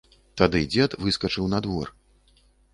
Тады дзед выскачыў на двор.